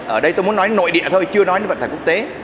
ở đây tôi muốn nói nội địa thôi chưa nói như vận tải quốc tế